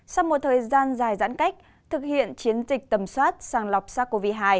sau một thời gian dài giãn cách thực hiện chiến dịch tầm soát sàng lọc sars cov hai